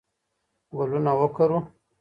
ګلونه وکرو.